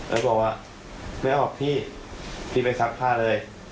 แล้วก็บอกว่าไม่ออกพี่พี่ไปซักผ้าเลย